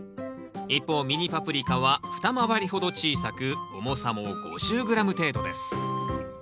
一方ミニパプリカは二回りほど小さく重さも５０ｇ程度です。